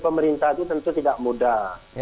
pemerintah itu tentu tidak mudah